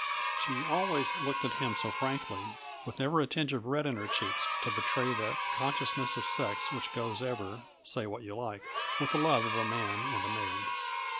She always looked at him so frankly, with never a tinge of red in her cheeks to betray that consciousness of sex which goes ever say what you like with the love of a man and a maid.